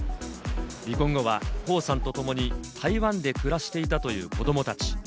離婚後はコウさんと共に台湾で暮らしていたという子供たち。